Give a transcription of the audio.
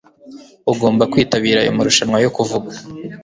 Ugomba kwitabira ayo marushanwa yo kuvuga